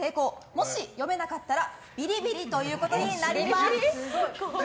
もし読めなかったらビリビリとなります。